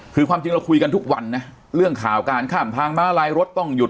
คือความจริงเราคุยกันทุกวันนะเรื่องข่าวการข้ามทางม้าลายรถต้องหยุด